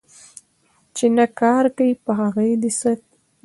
چي نه کار ، په هغه دي څه کار